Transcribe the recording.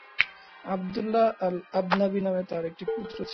Abdullah al-Abnabi নামে তাঁর একটি পুত্র ছিল।